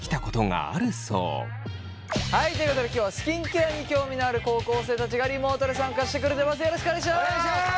はいということで今日はスキンケアに興味のある高校生たちがリモートで参加してくれてます。